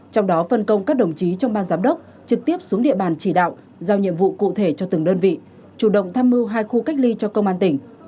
trong đó phân công các đồng chí trong ban giám đốc trực tiếp xuống địa bàn chỉ đạo giao nhiệm vụ cụ thể cho từng đơn vị chủ động tham mưu hai khu cách ly cho công an tỉnh